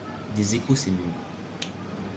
Des échos s'émurent.